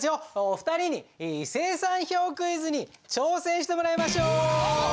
お二人に精算表クイズに挑戦してもらいましょう！